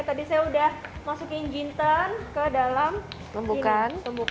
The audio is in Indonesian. tadi saya sudah masukkan jintan ke dalam tumbukan